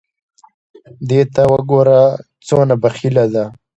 دې ته وګوره څونه بخیله ده !